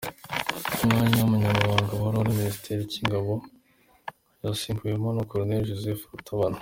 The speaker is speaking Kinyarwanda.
Umwanya w’ubunyamabanga buhoraho uri Minisiteri y’ingabo yawusimbuweho na Col Joseph Rutabana.